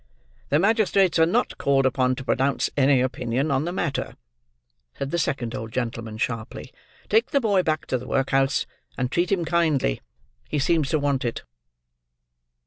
"The magistrates are not called upon to pronounce any opinion on the matter," said the second old gentleman sharply. "Take the boy back to the workhouse, and treat him kindly. He seems to want it."